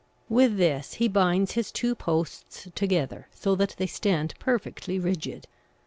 With this he binds his two posts together, so that they stand perfectly rigid.